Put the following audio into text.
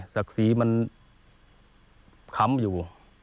ศักดิ์ศรีมันค้ำอยู่